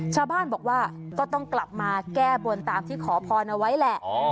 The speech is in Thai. ชาวบ้านบอกว่าก็ต้องกลับมาแก้บนตามที่ขอพรเอาไว้แหละ